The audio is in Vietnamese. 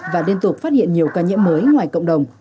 và liên tục phát hiện nhiều ca nhiễm mới ngoài cộng đồng